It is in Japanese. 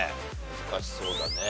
難しそうだね。